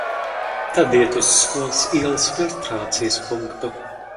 Tad iet uz Skolas ielas filtrācijas punktu.